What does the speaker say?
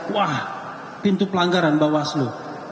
wah pintu pelanggaran bawaslu